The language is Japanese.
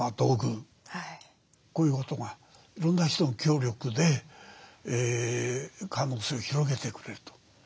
こういうことがいろんな人の協力で可能性を広げてくれると。